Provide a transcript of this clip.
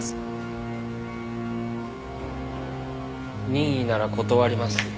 任意なら断ります。